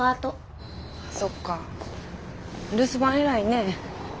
そっか留守番偉いねえ。